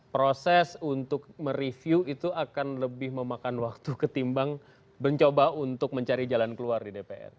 proses untuk mereview itu akan lebih memakan waktu ketimbang mencoba untuk mencari jalan keluar di dpr